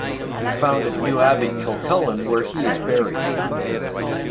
He founded New Abbey, Kilcullen, where he is buried.